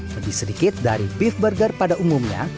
lebih sedikit dari beef burger pada umumnya